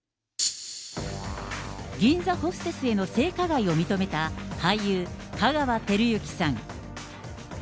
銀座ホステスへの性加害を認めた、俳優、香川照之さん。